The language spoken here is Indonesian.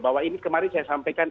bahwa ini kemarin saya sampaikan